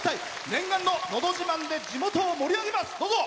念願の「のど自慢」で地元を盛り上げますどうぞ！